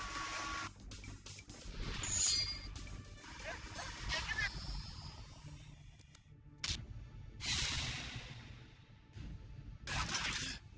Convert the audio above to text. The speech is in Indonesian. kamu baik banget